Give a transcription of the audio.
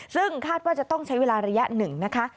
ซึ่งคาดว่าจะต้องใช้เวลาระยะหนึ่งนะคะ